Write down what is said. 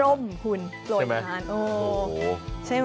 โอ้ถ้าเป็นดีฉันตอนเด็กนี่กระโปร่ง